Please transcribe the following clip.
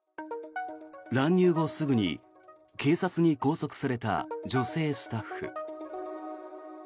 乱入後すぐに警察に拘束された女性スタッフ。